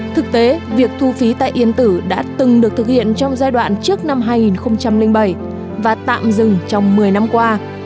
thực tế việc thu phí tại yên tử đã từng được thực hiện trong giai đoạn trước năm hai nghìn bảy và tạm dừng trong một mươi năm qua